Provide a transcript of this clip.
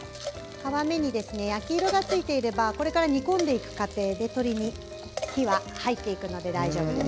皮目に焼き色がついていればこれから煮込んでいく過程で鶏肉に火は入っていくので大丈夫です。